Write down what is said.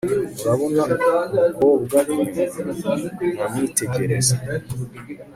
urabona umukobwa inyuma? namwitegereza